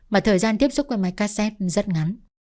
mà thời gian tiếp xúc qua máy cassette rất ngắn